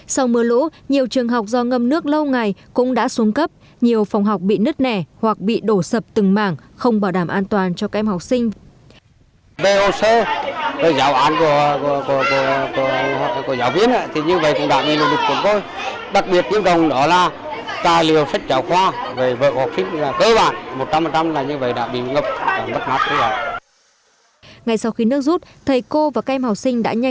sau mưa lũ nhiều trường học do ngâm nước lâu ngày cũng đã xuống cấp nhiều phòng học bị nứt nẻ hoặc bị đổ sập từng mảng không bảo đảm an toàn cho các em học sinh